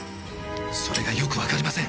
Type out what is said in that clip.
それがよくわかりません。